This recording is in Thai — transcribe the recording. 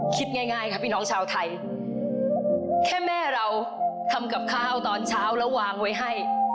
คิดง่ายค่ะพี่น้องชาวไทยแค่แม่เราทำกับข้าวตอนเช้าแล้ววางไว้ให้